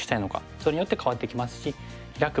それによって変わってきますしヒラく